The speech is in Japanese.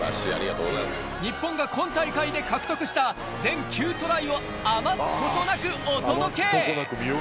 日本が今大会で獲得した全９トライを余すことなくお届け！